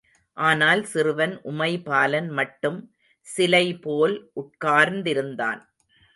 ஆனால் சிறுவன் உமைபாலன் மட்டும் சிலை போல் உட்கார்ந்திருந்தான்.